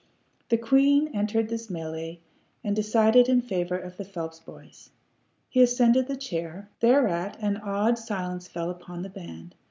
The queen entered this mêlée, and decided in favor of the Phelps boy. He ascended the chair. Thereat an awed silence fell upon the band.